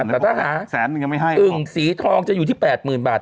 แต่ถ้าหาอึ่งสีทองจะอยู่ที่๘หมื่นบาท